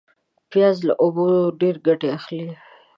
پیاز له اوبو ډېر ګټه اخلي